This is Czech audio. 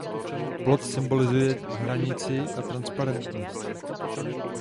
Plot symbolizuje hranici a transparentnost.